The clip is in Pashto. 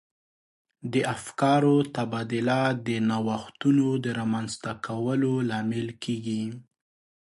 د افکارو تبادله د نوښتونو د رامنځته کولو لامل کیږي.